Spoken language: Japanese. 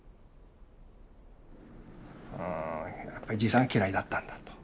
うんじいさん嫌いだったんだと。